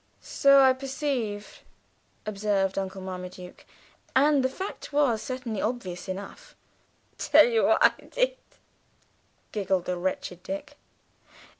"So I perceive," observed Uncle Marmaduke; and the fact was certainly obvious enough. "Tell y'what I did," giggled the wretched Dick.